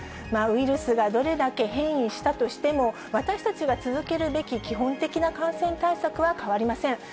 ウイルスがどれだけ変異したとしても、私たちが続けるべき基本的な感染対策は変わりません。